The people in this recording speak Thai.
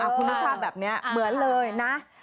คุณพิธาแบบนี้เหมือนเลยนะ